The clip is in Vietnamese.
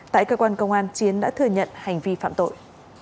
tại cơ quan công an chiến đã thừa nhận hành vi phạm tội